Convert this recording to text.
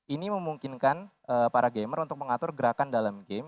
ini memungkinkan para gamer untuk mengatur gerakan dalam game